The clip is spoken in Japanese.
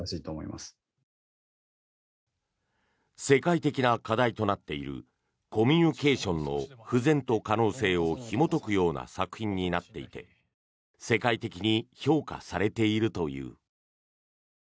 世界的な課題となっているコミュニケーションの不全と可能性をひもとくような作品になっていて世界的に評価されているという。